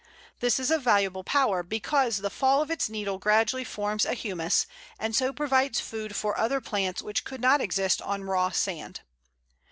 This is a valuable power, because the fall of its needles gradually forms a humus, and so provides food for other plants which could not exist on raw sand.